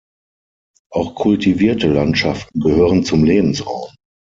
Auch kultivierte Landschaften gehören zum Lebensraum.